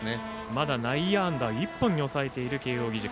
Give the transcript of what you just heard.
まだ内野安打１本に抑えている慶応義塾。